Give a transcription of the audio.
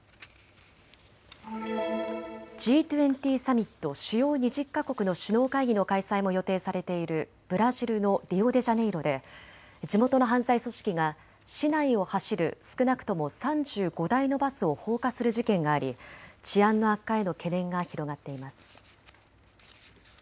Ｇ２０サミット・主要２０か国の首脳会議の開催も予定されているブラジルのリオデジャネイロで地元の犯罪組織が市内を走る少なくとも３５台のバスを放火する事件があり治安の悪化への懸念が広がっています。